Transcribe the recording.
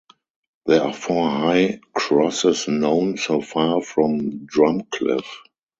There are four high crosses known so far from Drumcliff.